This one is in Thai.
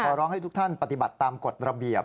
ร้องให้ทุกท่านปฏิบัติตามกฎระเบียบ